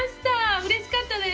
うれしかったです。